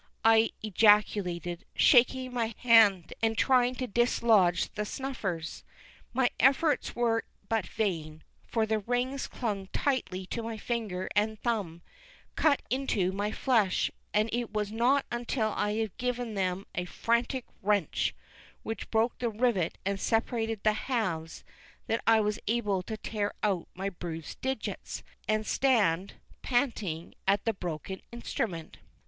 I ejaculated, shaking my hand and trying to dislodge the snuffers. My efforts were but vain, for the rings clung tightly to my finger and thumb, cut into my flesh, and it was not until I had given them a frantic wrench, which broke the rivet and separated the halves, that I was able to tear out my bruised digits, and stand, panting, at the broken instrument.